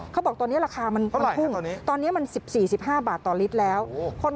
เขาบอกตอนนี้ราคามันพุ่งตอนนี้มัน๑๔๑๕บาทต่อลิตรแล้ว